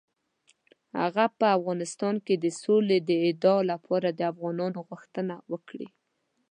هغه به په افغانستان کې د سولې د اعادې لپاره د افغانانو غوښتنه وکړي.